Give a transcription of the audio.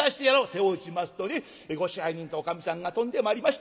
手を打ちますとねご支配人とおかみさんが飛んでまいりまして。